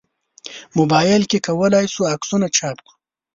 موبایل کې کولای شو عکسونه چاپ کړو.